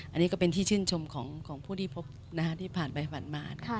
อันนี้ก็เป็นที่ชื่นชมของผู้ที่พบที่ผ่านไปผ่านมา